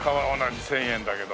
１０００円だけど。